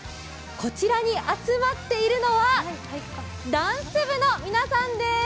こちらに集まっているのはダンス部の皆さんです。